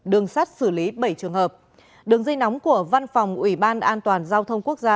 đường sắt xử lý bảy trường hợp đường dây nóng của văn phòng ủy ban an toàn giao thông quốc gia